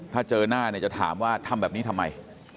ถ้าเจอหน้าเนี่ยจะถามว่าทำแบบนี้ทำไม